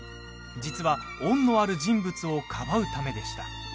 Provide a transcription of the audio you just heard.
実は恩のある人物をかばうためでした。